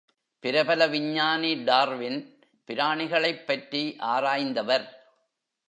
பிரபல விஞ்ஞானி டார்வின் பிராணிகளைப் பற்றி ஆராய்ந்தவர்.